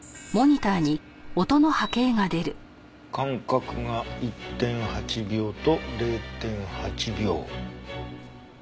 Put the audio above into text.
間隔が１．８秒と０．８秒。